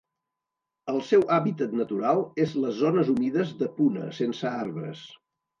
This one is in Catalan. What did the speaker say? El seu hàbitat natural és les zones humides de Puna sense arbres.